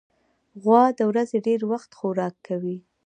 غوا د ورځې ډېری وخت خوراک کوي.